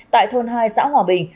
tại thôn hai xã hòa bình